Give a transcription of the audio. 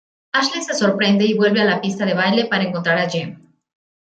Ashley se sorprende y vuelve a la pista de baile para encontrar a Jim.